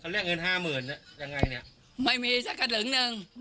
และลักเงินห้าหมื่นอ่ะยังไงเนี่ย